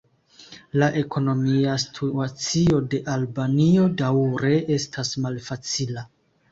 La ekonomia situacio de Albanio daŭre estas malfacila.